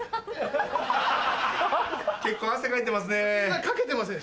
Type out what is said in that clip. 結構汗かいてますね。